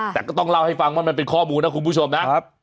แต่ก็ต้องเล่าให้ฟังว่ามันเป็นข้อมูลนะคุณผู้ชมนะ